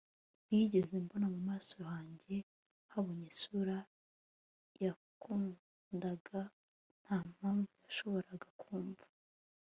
ntiyigeze mbona mu maso hanjye; yabonye isura yakundaga ntampamvu yashoboraga kumva